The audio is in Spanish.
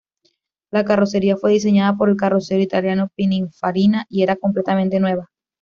La carrocería fue diseñada por el carrocero italiano Pininfarina y era completamente nueva.